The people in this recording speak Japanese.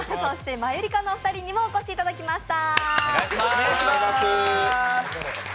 マユリカのお二人にもお越しいただきました。